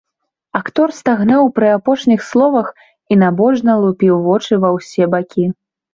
Актор стагнаў пры апошніх словах і набожна лупіў вочы ва ўсе бакі.